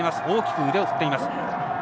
大きく腕を振っています。